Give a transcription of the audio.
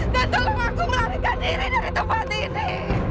dan tolong aku melarikan diri dari tempat ini